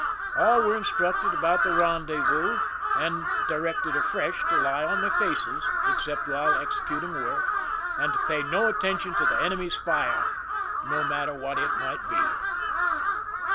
All were instructed about the rendezvous and directed afresh to lie on their faces except while executing work, and to pay no atten tion to the enemy's fire, no matter what it might be.